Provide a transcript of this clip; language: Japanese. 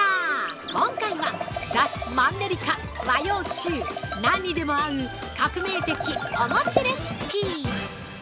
今回は、脱マンネリ化和洋中、何にでも合う革命的お餅レシピ。